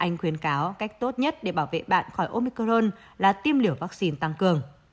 anh khuyến cáo cách tốt nhất để bảo vệ bạn khỏi omicron là tiêm liều vaccine tăng cường